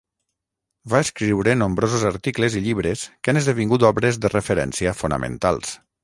Va escriure nombrosos articles i llibres que han esdevingut obres de referència fonamentals.